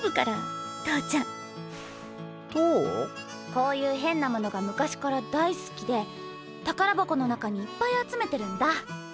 こういう変な物が昔から大好きで宝箱の中にいっぱい集めてるんだ。